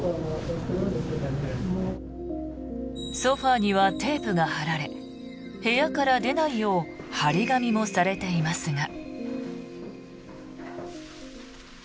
ソファにはテープが張られ部屋から出ないよう貼り紙もされていますが。